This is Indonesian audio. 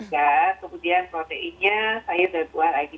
ya kemudian proteinnya sayur dan buah lagi